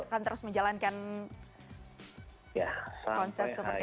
kan terus menjalankan konser seperti ini